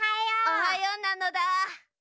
おはようなのだ。